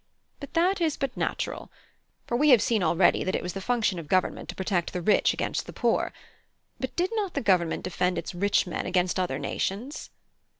But that is but natural; for we have seen already that it was the function of government to protect the rich against the poor. But did not the government defend its rich men against other nations?